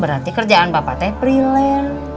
berarti kerjaan bapak teh priler